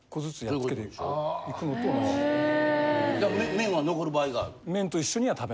麺は残る場合がある。